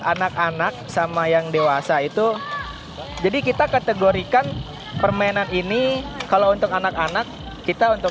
anak anak sama yang dewasa itu jadi kita kategorikan permainan ini kalau untuk anak anak kita untuk